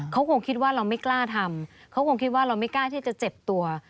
เขาคงคิดว่าเราไม่กล้าทำเขาคงคิดว่าเราไม่กล้าที่จะเจ็บตัว